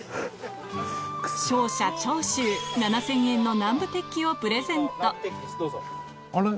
勝者長州７０００円の南部鉄器をプレゼントあれ。